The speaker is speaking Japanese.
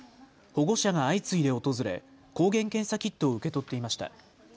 保護者が相次いで訪れ抗原検査キットを受け取っていました。